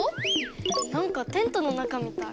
なんかテントの中みたい。